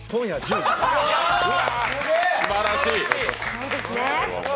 すばらしい。